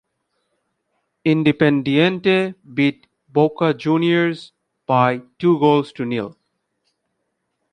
Independiente beat Boca Juniors by two goals to nil.